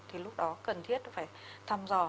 thì lúc đó cần thiết phải thăm dò